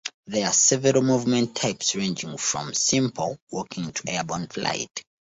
There are several movement types, ranging from simple walking to airborne flight.